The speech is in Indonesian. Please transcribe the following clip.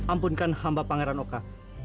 ampunkan hamba pangeran oka